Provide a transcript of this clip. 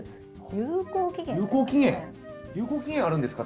有効期限あるんですか？